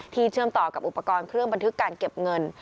เชื่อมต่อกับอุปกรณ์เครื่องบันทึกการเก็บเงิน